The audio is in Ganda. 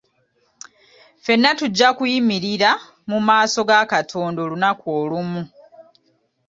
Ffenna tujja kuyimiria mu maaso ga Katonda olunaku olumu.